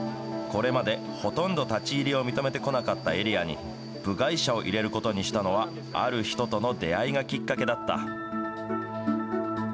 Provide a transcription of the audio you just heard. これまで、ほとんど立ち入りを認めてこなかったエリアに、部外者を入れることにしたのは、ある人との出会いがきっかけだった。